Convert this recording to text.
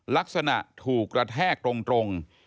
ลักษณะถูกกระแทกตรง